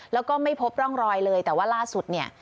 แล้วก็ไม่พบร่องรอยเลยแต่ว่าล่าสุดเนี่ย